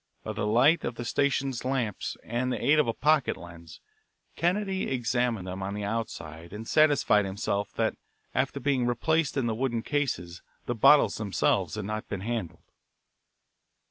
By the light of the station lamps and the aid of a pocket lens, Kennedy examined them on the outside and satisfied himself that after being replaced in the wooden cases the bottles themselves had not been handled.